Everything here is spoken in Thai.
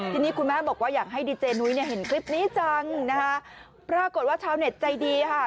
ทีนี้คุณแม่บอกว่าอยากให้ดีเจนุ้ยเนี่ยเห็นคลิปนี้จังนะคะปรากฏว่าชาวเน็ตใจดีค่ะ